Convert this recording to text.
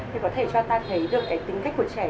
thì có thể cho ta thấy được cái tính cách của trẻ